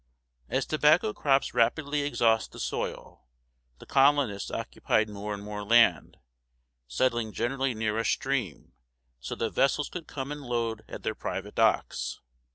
As tobacco crops rapidly exhaust the soil, the colonists occupied more and more land, settling generally near a stream, so that vessels could come and load at their private docks.